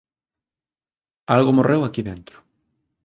Algo morreu aquí dentro.